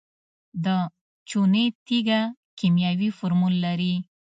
د چونې تیږه کیمیاوي فورمول لري.